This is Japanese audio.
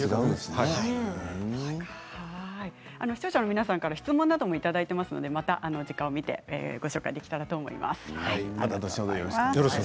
視聴者の皆さんから質問もいただいていますのでまた時間を見てご紹介します。